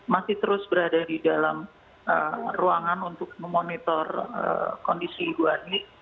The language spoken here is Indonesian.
masih terus berada di dalam ruangan untuk memonitor kondisi ibu ani